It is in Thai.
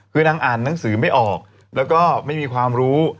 คือนางอ่านหนังสือไม่ออกแล้วก็ไม่มีความรู้